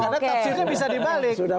karena taksirnya bisa dibalik